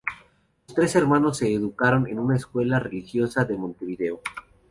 Los tres hermanos se educaron en una escuela religiosa de Montevideo.